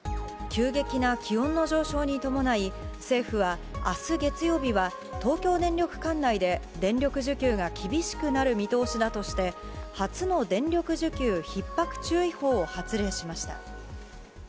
急激な気温の上昇に伴い、政府はあす月曜日は、東京電力管内で電力需給が厳しくなる見通しだとして、初の電力需給ひっ迫注意報を発令しました。